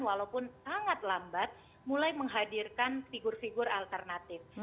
walaupun sangat lambat mulai menghadirkan figur figur alternatif